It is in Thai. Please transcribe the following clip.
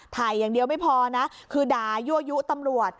ถ่ายอย่างเดียวไม่พอนะคือด่ายั่วยุตำรวจ